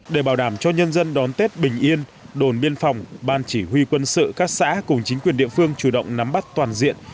để bảo đảm cho nhân dân đón tết bình yên đồn biên phòng ban chỉ huy quân sự các xã cùng chính quyền địa phương chủ động nắm bắt toàn diện